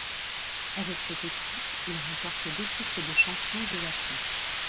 Avec cette équipe, il remporte deux titres de champion du Japon.